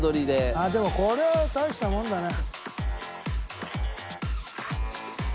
ああでもこれは大したもんだね。